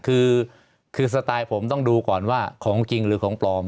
คือคือสไตล์ผมต้องดูก่อนว่าของจริงหรือของปลอม